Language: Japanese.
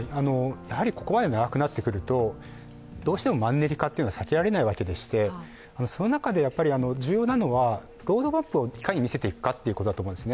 やはりここまで長くなってくるとどうしてもマンネリ化は避けられないわけでして、その中で重要なのは、ロードマップをいかに見せていくかだと思います。